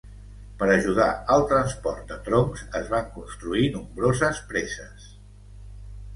Per ajudar al transport de troncs, es van construir nombroses preses.